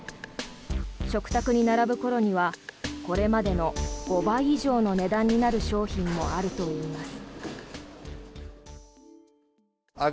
食卓に並ぶ頃にはこれまでの５倍以上の値段になる商品もあるといいます。